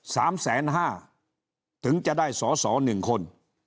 ๓๕ล้านถึงจะได้สอสอ๑คน